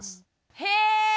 へえ！